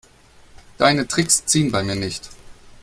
Deine Tricks ziehen bei mir nicht.